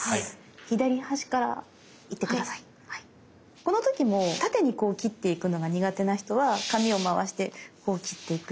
この時も縦にこう切っていくのが苦手な人は紙を回してこう切っていく。